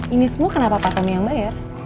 ini semua kenapa pak kami yang bayar